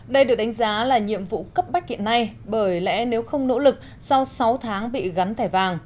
đây được đánh giá là nhiệm vụ cấp bách hiện nay bởi lẽ nếu không nỗ lực sau sáu tháng bị gắn thẻ vàng